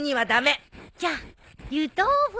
じゃあ湯豆腐！